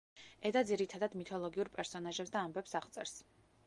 ედა ძირითადად მითოლოგიურ პერსონაჟებს და ამბებს აღწერს.